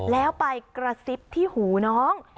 แล้วไปกระซิบที่หูน้อง